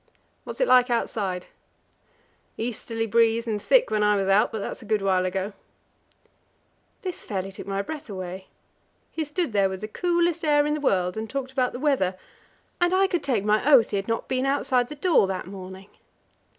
"What's it like outside?" "Easterly breeze and thick when I was out; but that's a good while ago." This fairly took my breath away He stood there with the coolest air in the world and talked about the weather, and I could take my oath he had not been outside the door that morning.